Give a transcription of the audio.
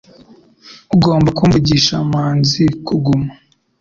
Ugomba kumvisha manzi kuguma